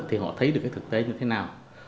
thì họ thấy được cái thực tế như thế nào